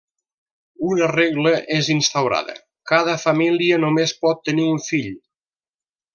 Una regla és instaurada: cada família només pot tenir un fill.